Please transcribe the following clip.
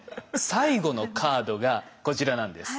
最後のカードがこちらなんです。